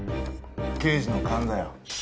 刑事の勘だよ。